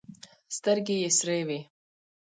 سترګې يې سورې وې.